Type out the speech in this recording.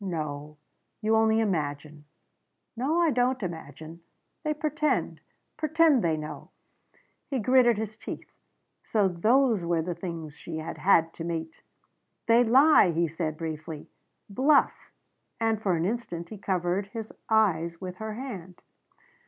"No. You only imagine." "No, I don't imagine. They pretend. Pretend they know." He gritted his teeth. So those were the things she had had to meet! "They lie," he said briefly. "Bluff." And for an instant he covered his eyes with her hand.